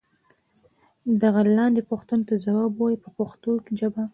دغو لاندې پوښتنو ته ځواب و وایئ په پښتو ژبه.